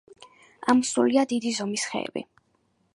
ამოსულია დიდი ზომის ხეები.